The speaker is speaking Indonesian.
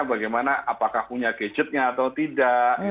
bagaimana apakah punya gadgetnya atau tidak